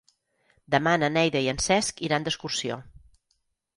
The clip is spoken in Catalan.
Demà na Neida i en Cesc iran d'excursió.